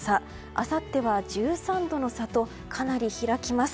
あさっては１３度の差とかなり開きます。